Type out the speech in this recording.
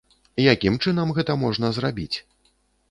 Якім чынам гэта можна зрабіць?